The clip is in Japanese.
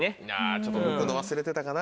ちょっと抜くの忘れてたかな。